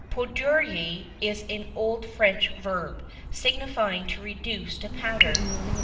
"Poudroyer" is an old French verb, signifying to reduce to powder.